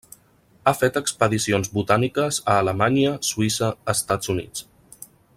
Ha fet expedicions botàniques a Alemanya, Suïssa, Estats Units.